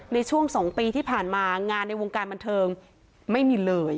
ในช่วง๒ปีที่ผ่านมางานในวงการบันเทิงไม่มีเลย